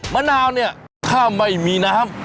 มะนาวเนี่ยถ้าไม่มีน้ำ